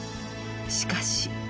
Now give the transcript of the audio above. しかし。